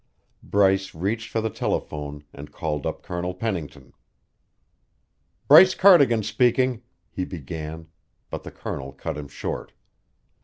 Bryce reached for the telephone and called up Colonel Pennington. "Bryce Cardigan speaking," he began, but the Colonel cut him short.